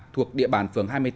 thuộc địa bàn phường hai mươi tám